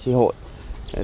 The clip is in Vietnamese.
tự các hội viên